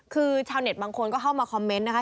คือชาวเน็ตบางคนก็เข้ามาคอมเมนต์นะคะ